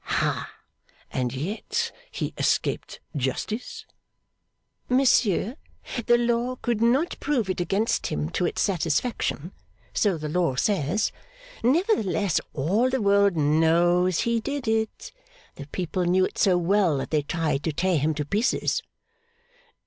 'Hah! And yet he escaped justice?' 'Monsieur, the law could not prove it against him to its satisfaction. So the law says. Nevertheless, all the world knows he did it. The people knew it so well, that they tried to tear him to pieces.